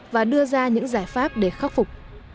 và đưa ra những giải pháp để khắc phục